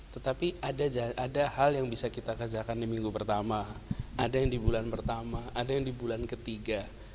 tetapi ada hal yang bisa kita kerjakan di minggu pertama ada yang di bulan pertama ada yang di bulan ketiga